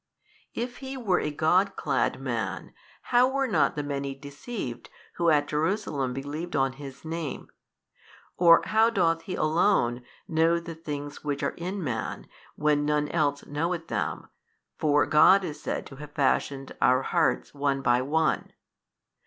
If He were a God clad man, how were not the many deceived who at Jerusalem believed on His Name? or how doth He Alone know the things which are in man when none else knoweth them 25? for God is said to have fashioned our hearts one by one.